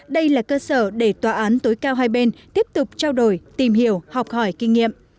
đây là cơ sở để tòa án tối cao hai bên tiếp tục trao đổi tìm hiểu học hỏi kinh nghiệm